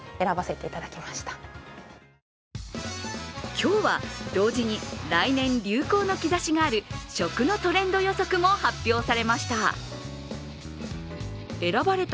今日は同時に来年流行の兆しがある食のトレンド予測も発表されました。